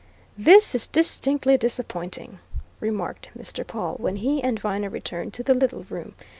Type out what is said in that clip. "This is distinctly disappointing," remarked Mr. Pawle when he and Viner returned to the little room.